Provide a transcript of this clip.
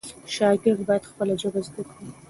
شاګرد باید خپله ژبه زده کړي.